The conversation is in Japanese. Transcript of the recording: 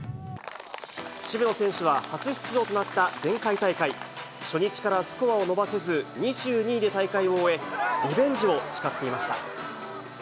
渋野選手は初出場となった前回大会、初日からスコアを伸ばせず、２２位で大会を終え、リベンジを誓っていました。